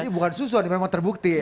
jadi bukan susun memang terbukti